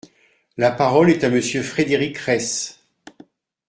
La parole est à Monsieur Frédéric Reiss.